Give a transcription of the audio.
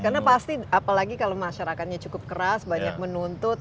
karena pasti apalagi kalau masyarakatnya cukup keras banyak menuntut